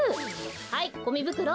はいゴミぶくろ。